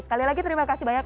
sekali lagi terima kasih banyak